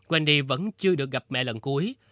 wendy vẫn chưa được gặp mẹ lần cuối